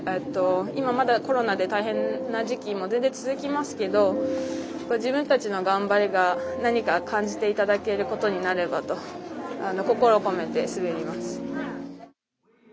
今、まだコロナで大変な時期も続きますけど自分たちの頑張りが何か感じていただけることになればと心を込めて滑ります。